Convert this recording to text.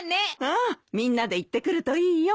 ああみんなで行ってくるといいよ。